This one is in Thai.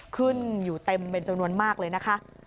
ขึ้นอยู่เต็มเป็นจำนวนมากเลยนะคะ